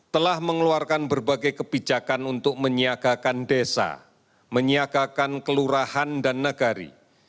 telah mengeluarkan berbagai kebijakan untuk menyiagakan desa menyiagakan kelurahan dan negari